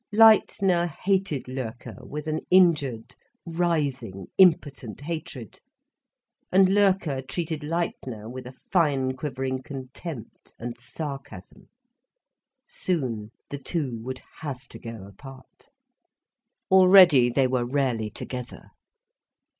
Leitner hated Loerke with an injured, writhing, impotent hatred, and Loerke treated Leitner with a fine quivering contempt and sarcasm. Soon the two would have to go apart. Already they were rarely together.